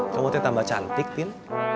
kamu mau tambah cantik tin